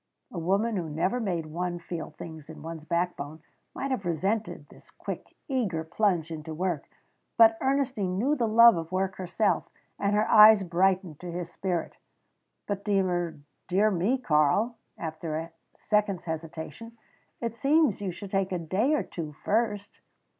A woman who never made one feel things in one's backbone might have resented the quick, eager plunge into work, but Ernestine knew the love of work herself, and her eyes brightened to his spirit. "But dear me, Karl," after a second's hesitation, "it seems you should take a day or two first."